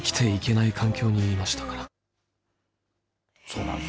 そうなんです。